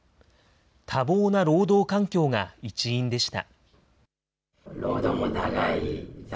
多忙な労働環境が一因でした。